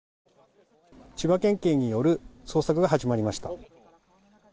千葉県警による捜索が始まりました。